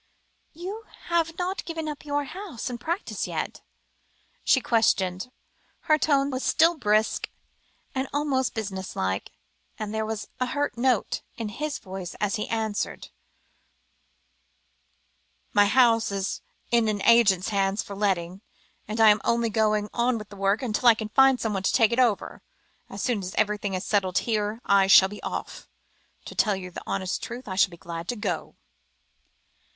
"You have not given up your house and practice yet?" she questioned, and her tone was still brisk, almost business like, and there was a hurt note in his voice as he answered "My house is in an agent's hands for letting, and I am only going on with the work, until I can find someone to take it over; as soon as everything is settled here, I shall be off. To tell you the honest truth, I shall be glad to go."